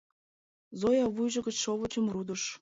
Зоя вуйжо гыч шовычым рудыш.